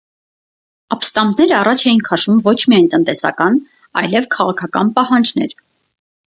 Ապստամբները առաջ էին քաշում ոչ միայն տնտեսական այլև քաղաքական պահանջներ։